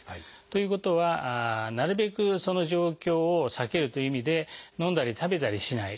ということはなるべくその状況を避けるという意味で飲んだり食べたりしない。